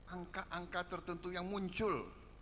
angka angka tertentu yang muncul